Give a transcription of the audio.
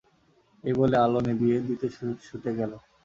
এই বলে আলো নিবিয়ে দিয়ে শুতে গেল।